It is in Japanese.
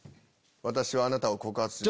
私はあなたを告発します。